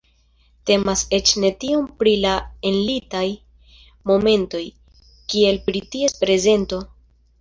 Temas eĉ ne tiom pri la enlitaj momentoj, kiel pri ties prezento.